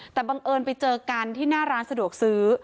แต่บังเอิญไปเจอกันที่หน้าร้านสะดวกซื้อ